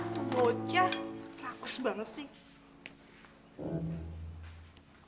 tunggu aja lakus banget sih